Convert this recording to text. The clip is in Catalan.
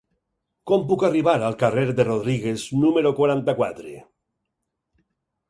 Com puc arribar al carrer de Rodríguez número quaranta-quatre?